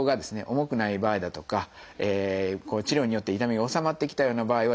重くない場合だとか治療によって痛みが治まってきたような場合はですね